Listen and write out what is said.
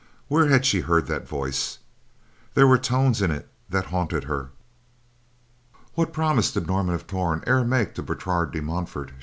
Where had she heard that voice! There were tones in it that haunted her. "What promise did Norman of Torn e'er make to Bertrade de Montfort?"